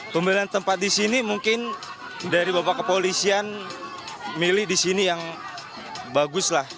pembelian tempat di sini mungkin dari bapak kepolisian milih di sini yang bagus lah